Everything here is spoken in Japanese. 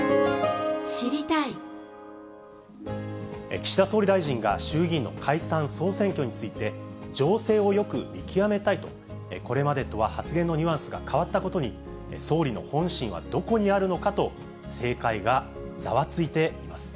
岸田総理大臣が衆議院の解散・総選挙について、情勢をよく見極めたいと、これまでとは発言のニュアンスが変わったことに、総理の本心はどこにあるのかと政界がざわついています。